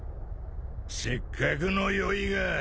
せっかくの酔いが。